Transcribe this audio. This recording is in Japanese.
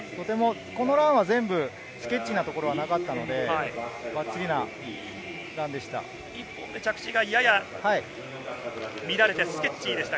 このランはスケッチーなところはなかったので、バッチリなランでした。